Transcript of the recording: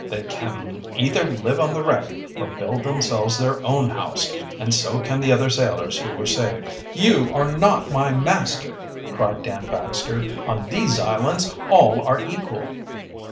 They can either live on the wreck or build themselves their own house, and so can the other sailors who were saved." "You are not my master!" cried Dan Baxter. "On these islands all are equal."